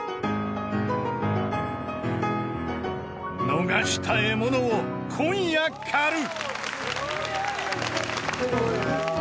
［逃した獲物を今夜狩る！］